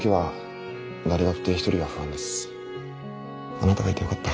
あなたがいてよかった。